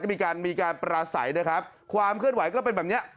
มีการมีการปราศัยนะครับความเคลื่อนไหวก็เป็นแบบเนี้ย